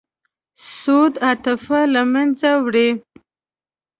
سود عاطفه له منځه وړي.